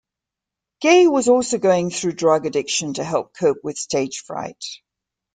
Gaye was also going through drug addiction to help cope with stage fright.